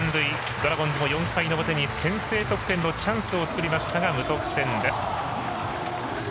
ドラゴンズも４回の表に先制の得点のチャンスを作りましたが無得点です。